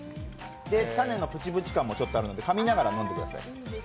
種のプチプチ感もちょっとあるので、かみながら飲んでください。